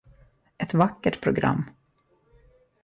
Ett vackert program!